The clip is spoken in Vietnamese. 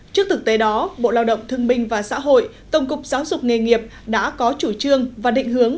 trước thực tế đó bộ lao động thương minh và xã hội tổng cục giáo dục nghề nghiệp đã có chủ trương và định hướng